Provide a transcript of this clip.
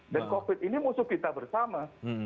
covid ini musuh kita bersama